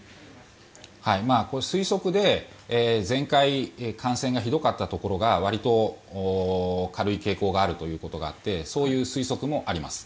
推測で、前回感染がひどかったところがわりと軽い傾向があるということがあってそういう推測もあります。